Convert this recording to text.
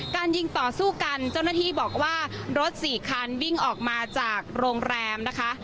การยิงต่อสู้กันเจ้าหน้าที่บอกว่ารถสี่คันวิ่งออกมาจากโรงแรมนะคะ